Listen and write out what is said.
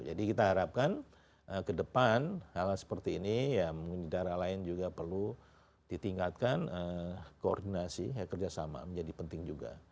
jadi kita harapkan kedepan hal hal seperti ini ya pemimpin daerah lain juga perlu ditingkatkan koordinasi kerjasama menjadi penting juga